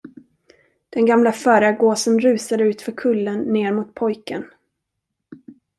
Den gamla förargåsen rusade utför kullen ner mot pojken.